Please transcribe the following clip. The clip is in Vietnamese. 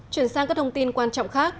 chuyển sang các thông tin quan trọng khác